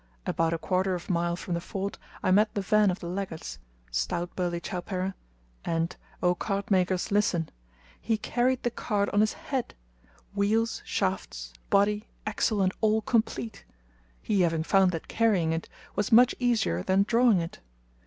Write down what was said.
About a quarter of mile from the ford I met the van of the laggards stout burly Chowpereh and, O cartmakers, listen! he carried the cart on his head wheels, shafts, body, axle, and all complete; he having found that carrying it was much easier than drawing it.